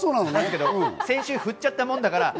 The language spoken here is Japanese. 先週、振っちゃったもんだから。